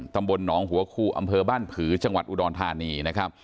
ตำบลหนองหัวคูอำเภอบ้านผือจังหวัดอุดรธานีนะครับ